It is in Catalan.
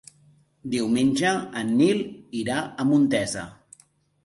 Diumenge en Nil irà a Montesa.